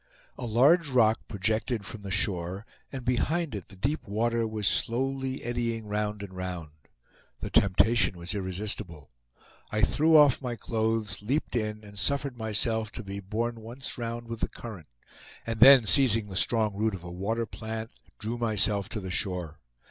A large rock projected from the shore, and behind it the deep water was slowly eddying round and round. The temptation was irresistible. I threw off my clothes, leaped in, suffered myself to be borne once round with the current, and then, seizing the strong root of a water plant, drew myself to the shore.